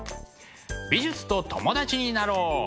美術と友達になろう！